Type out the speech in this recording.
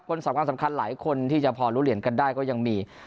สำคัญหลายคนที่จะพอรู้เหรียญกันได้ก็ยังมี